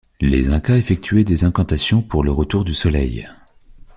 Les Incas effectuaient des incantations pour le retour du soleil.